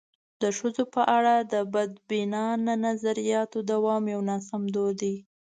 د ښځو په اړه د بدبینانه نظریاتو دوام یو ناسم دود دی.